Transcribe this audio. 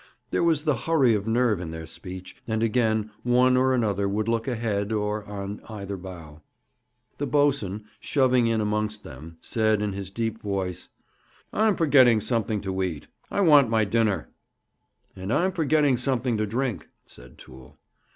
There was the hurry of nerve in their speech, and again one or another would look ahead, or on either bow. The boatswain, shoving in amongst them, said in his deep voice: 'I'm for getting something to eat. I want my dinner.' 'And I'm for getting something to drink,' said Toole.